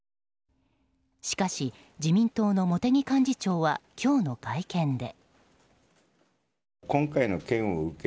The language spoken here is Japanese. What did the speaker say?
しかし自民党の茂木幹事長は今日の会見で。